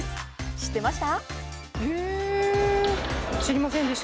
知ってました？